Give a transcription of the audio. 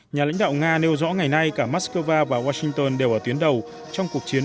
nhà lãnh đạo nga nêu rõ ngày nay cả moscow và washington đều ở tuyến đầu trong cuộc chiến